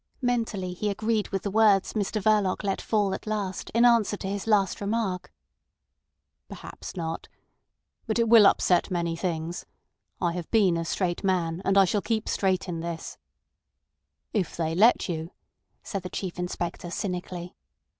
Mentally he agreed with the words Mr Verloc let fall at last in answer to his last remark. "Perhaps not. But it will upset many things. I have been a straight man, and I shall keep straight in this—" "If they let you," said the Chief Inspector cynically.